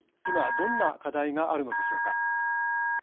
今どんな課題があるのでしょうか。